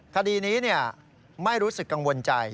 คดีนี้ไม่รู้สึกกังวลใจ